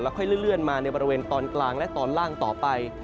ค่อยเลื่อนมาในบริเวณตอนกลางและตอนล่างต่อไป